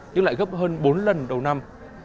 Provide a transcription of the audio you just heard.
nhưng lại gấp hơn bốn lần đầu năm